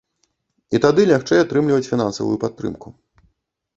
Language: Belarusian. І тады лягчэй атрымліваць фінансавую падтрымку.